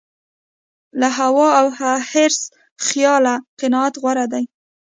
له هوا او حرص خیاله قناعت غوره دی.